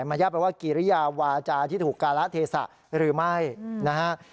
มันยากไปว่ากิริยาวาจาที่ถูกการะเทศะหรือไม่นะฮะ